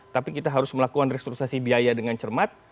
tapi kita harus melakukan restrukturisasi biaya dengan cermat